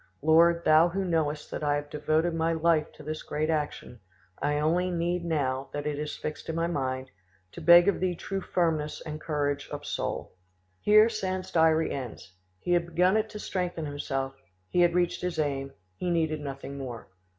Lord, Thou who knowest that I have devoted my life to this great action, I only need, now that it is fixed in my mind, to beg of Thee true firmness and courage of soul." Here Sand's diary ends; he had begun it to strengthen himself; he had reached his aim; he needed nothing more.